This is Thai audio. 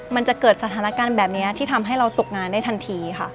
มันจะเกิดสถานการณ์แบบนี้ที่ทำให้เราตกงานได้ทันทีค่ะ